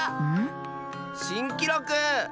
しんきろく！